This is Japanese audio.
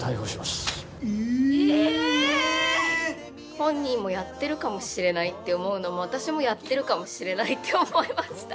本人もやってるかもしれないって思うのも私もやってるかもしれないって思いました。